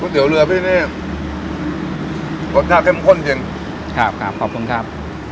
เตี๋ยเรือพี่นี่รสชาติเข้มข้นจริงครับครับขอบคุณครับ